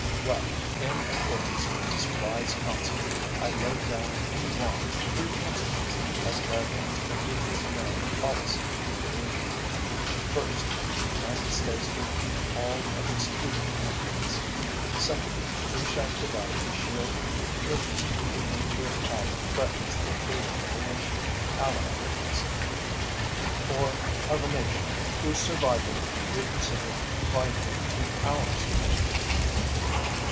ö Well in accordance with this wise counsel, I laid down in Guam three principles as guidelines for future American policy toward Asia. First, the United States will keep all of its treaty commitments. Second, we shall provide a shield if a nuclear power threatens the freedom of a nation allied with us, or of a nation whose survival we consider vital to our security.